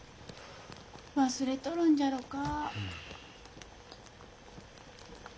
忘れとるんじゃろか？